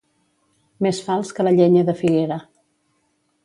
Més fals que la llenya de figuera.